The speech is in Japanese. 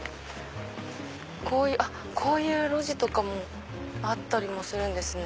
あっこういう路地とかもあったりもするんですね。